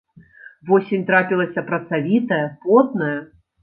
Восень трапілася працавітая, потная.